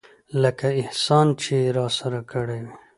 لکه احسان چې يې راسره کړى وي.